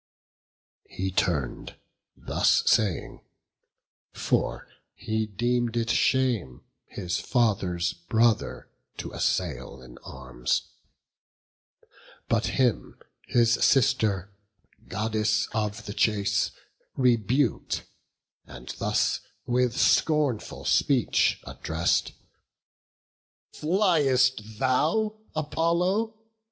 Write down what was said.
He turn'd, thus saying: for he deem'd it shame His father's brother to assail in arms; But him his sister, Goddess of the chase, Rebuk'd, and thus with scornful speech address'd: "Fliest thou, Apollo?